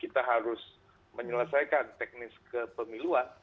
kita harus menyelesaikan teknis kepemiluan